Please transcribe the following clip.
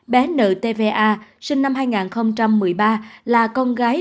bé nợ tva sinh năm hai nghìn một mươi ba là con gái